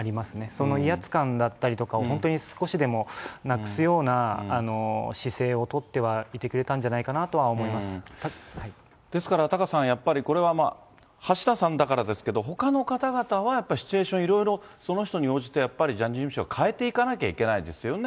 その威圧感だったりとかを、本当に少しでもなくすような姿勢を取ってはいてくれたんじゃないですからタカさん、やっぱりこれは橋田さんだからですけど、ほかの方々はやっぱりシチュエーション、いろいろその人に応じて、やっぱりジャニーズ事務所、変えていかなきゃいけないですよね。